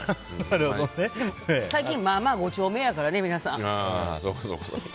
でも、最近まあまあご長命やからね、皆さん。